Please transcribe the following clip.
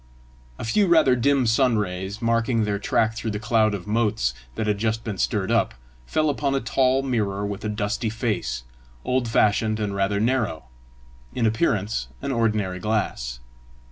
A few rather dim sunrays, marking their track through the cloud of motes that had just been stirred up, fell upon a tall mirror with a dusty face, old fashioned and rather narrow in appearance an ordinary glass.